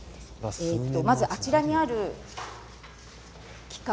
まず、あちらにある機械